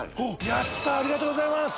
やったありがとうございます。